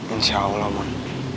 insya allah mon